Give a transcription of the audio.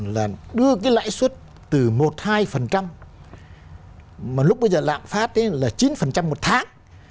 là đưa cái lãi suất từ một hai mà lúc bây giờ lạm phát là chín một tháng